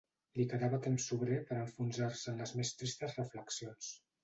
Li quedava temps sobrer per a enfonsar-se en les més tristes reflexions